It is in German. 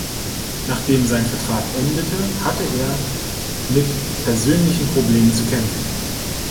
Nachdem sein Vertrag endete, hatte er mit persönlichen Problemen zu kämpfen.